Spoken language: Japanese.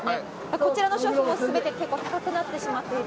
こちらの商品もすべて結構高くなってしまっている？